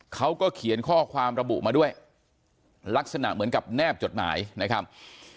เขาก็เขียนข้อความระบุมาด้วยลักษณะเหมือนกับแนบจดหมายนะครับ